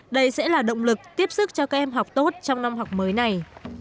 đây sẽ là động lực tiếp sức cho các em học tốt trong năm học mới này